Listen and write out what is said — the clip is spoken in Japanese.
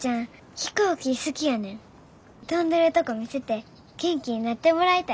飛んでるとこ見せて元気になってもらいたい。